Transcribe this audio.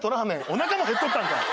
おなかも減っとったんかい！